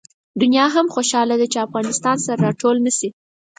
دنیا هم خوشحاله ده چې افغانستان سره راټول نه شي.